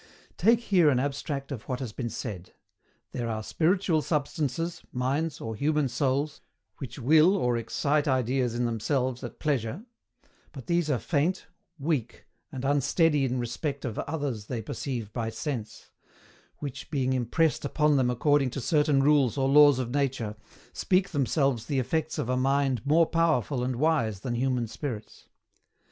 Take here an abstract of what has been said: There are spiritual substances, minds, or human souls, which will or excite ideas in themselves at pleasure; but these are faint, weak, and unsteady in respect of others they perceive by sense which, being impressed upon them according to certain rules or laws of nature, speak themselves the effects of a mind more powerful and wise than human spirits.